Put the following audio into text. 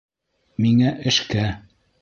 Миңә-эшкә!